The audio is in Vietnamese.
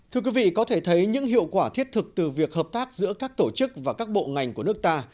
thưa quý vị có thể thấy những hiệu quả thiết thực từ việc hợp tác giữa các tổ chức và các bộ ngành của nước ta